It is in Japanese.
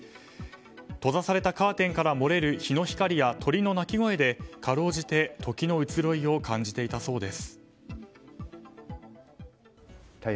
閉ざされたカーテンから漏れる日の光や鳥の鳴き声でかろうじて時の移ろいを感じていたそうです。